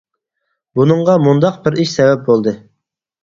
بۇنىڭغا مۇنداق بىر ئىش سەۋەب بولدى.